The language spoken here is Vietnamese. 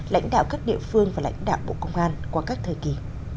lãnh đạo các địa phương và lãnh đạo bộ công an qua các thời kỳ